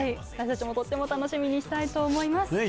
私もとっても楽しみにしたいと思います。